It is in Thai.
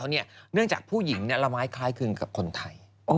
เนื่องจากผู้หญิงละไม้คล้ายคลึงกับคนไทย